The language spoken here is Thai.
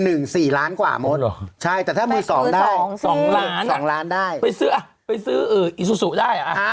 ๔ล้านบาทกว่าหมดใช่แต่ถ้ามือ๒ได้๒ล้านไปซื้ออีซูซูได้